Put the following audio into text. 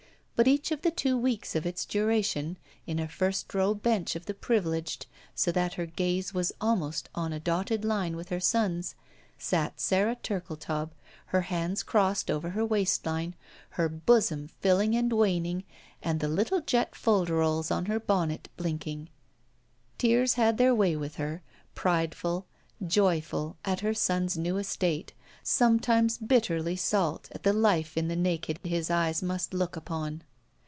But each of the two weeks of its duration, in a first row bench of the privileged, so that her gaze was almost on a dotted line with her son's, sat Sara Turkletaub, her hands crossed over her waistline, her bosom filling and waning; and the little jet folderols on her bonnet blinking. Tears had their way with her, prideful, joj^ul at her son's new estate, sometimes bitterly salt at the life in the naked his eyes must look upon.